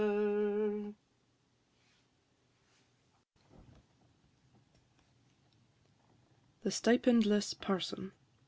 THE STIPENDLESS PARSON.